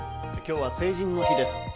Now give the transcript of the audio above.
今日は成人の日です。